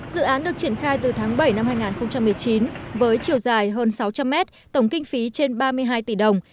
dự án được triển khai từ tháng bảy năm hai nghìn một mươi chín với chiều dài hơn sáu trăm linh mét tổng kinh phí trên ba mươi hai tỷ đồng